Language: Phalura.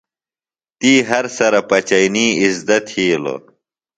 تی ہر سرہ پچئینی اِزدہ تِھیلوۡ۔